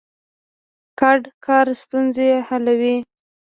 ګډ کار ستونزې حلوي.